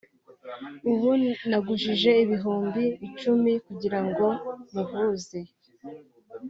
ubu nagujije ibihumbi icumi kugira ngo muvuze